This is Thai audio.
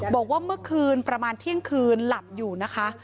บอกว่าเมื่อคืนประมาณเที่ยงคืนหลับอยู่นะคะ